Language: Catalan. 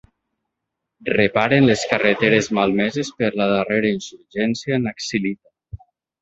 Reparen les carreteres malmeses per la darrera insurgència naxilita.